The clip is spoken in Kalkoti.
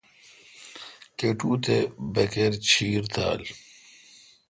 کٹو تے بکر چیر تھال ۔